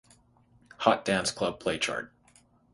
Hot Dance Club Play chart.